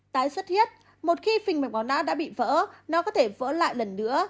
tái xuất huyết một khi phình mạch máu não đã bị vỡ nó có thể vỡ lại lần nữa